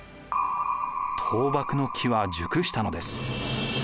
倒幕の機は熟したのです。